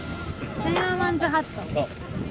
チャイナマンズハット？